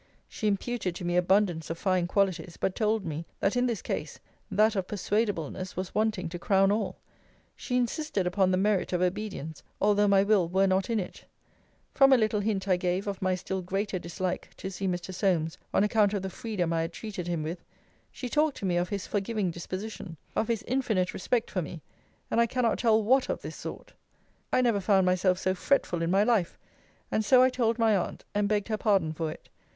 She imputed to me abundance of fine qualities; but told me, that, in this case, that of persuadableness was wanting to crown all. She insisted upon the merit of obedience, although my will were not in it. From a little hint I gave of my still greater dislike to see Mr. Solmes, on account of the freedom I had treated him with, she talked to me of his forgiving disposition; of his infinite respect for me; and I cannot tell what of this sort. I never found myself so fretful in my life: and so I told my aunt; and begged her pardon for it.